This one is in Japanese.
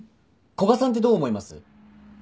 古賀さんってどう思います？